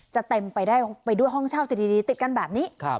จะเต็มไปได้ไปด้วยห้องเช่าติดกันแบบนี้